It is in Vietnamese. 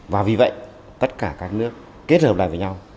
và vì vậy tất cả các nước kết hợp lại với nhau